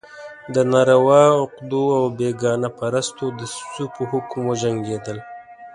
د ناروا عقدو او بېګانه پرستو دسیسو په حکم وجنګېدل.